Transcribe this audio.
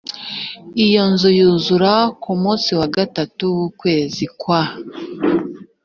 iyo nzu yuzura ku munsi wa gatatu w ukwezi kwa